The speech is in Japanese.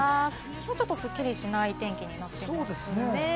きょうはちょっとすっきりしない天気になってますね。